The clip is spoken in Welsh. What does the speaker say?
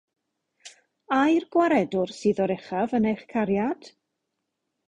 Ai'r Gwaredwr sydd oruchaf yn eich cariad?